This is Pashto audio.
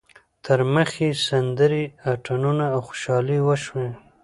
تر مخ یې سندرې، اتڼونه او خوشحالۍ وشوې.